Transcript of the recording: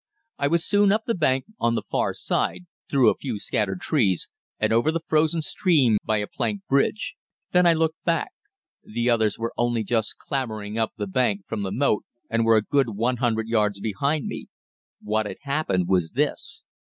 I was soon up the bank on the far side, through a few scattered trees, and over the frozen stream by a plank bridge. Then I looked back. The others were only just clambering up the bank from the moat and were a good 100 yards behind me. What had happened was this.